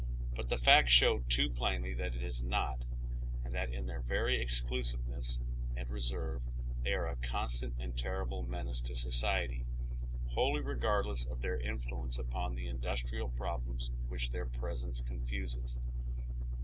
But the facts show too plainly that it is not, and tiiat in their very excluaiveness and reserve they are a constant and terrible menace to society, wholly regardless of tlieir influence upon the industrial problems which their presence confuses.